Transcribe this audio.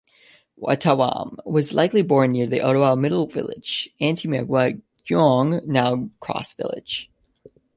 Wawatam was likely born near the Odawa Middle Village, Anamiewatigoing, now Cross Village.